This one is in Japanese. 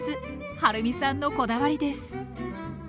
はるみさんのこだわりです。